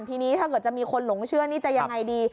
ทีนี้ถ้าเกิดจะมีคนหลงเชื่อนี่จะยังไงดี